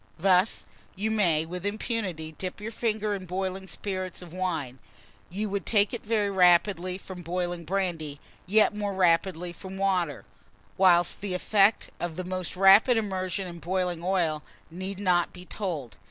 Thus, you may, with impunity, dip your finger in boiling spirits of wine; you would take it very quickly from boiling brandy, yet more rapidly from water; whilst the effects of the most rapid immersion in boiling oil need not be told.